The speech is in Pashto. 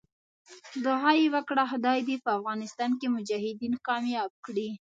دعا یې وکړه خدای دې په افغانستان کې مجاهدین کامیاب کړي.